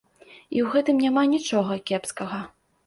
І ў гэтым няма нічога кепскага.